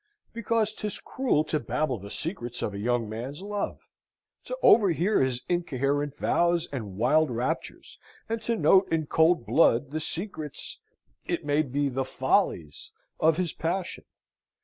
Because 'tis cruel to babble the secrets of a young man's love; to overhear his incoherent vows and wild raptures, and to note, in cold blood, the secrets it may be, the follies of his passion.